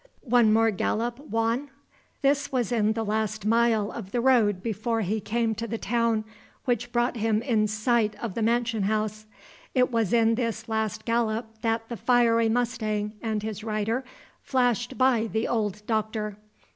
"One more gallop, Juan?" This was in the last mile of the road before he came to the town which brought him in sight of the mansion house. It was in this last gallop that the fiery mustang and his rider flashed by the old Doctor.